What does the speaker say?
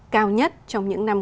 cao nhất trong những năm qua